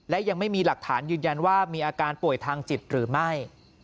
และยังไม่มีหลักฐานยืนยันว่ามีอาการป่วยทางจิตหรือไม่